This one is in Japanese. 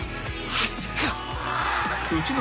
「マジか」